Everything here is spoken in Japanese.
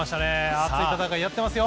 熱い戦いをやっていますよ。